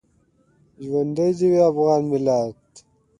ژوندی دې وي افغان ملت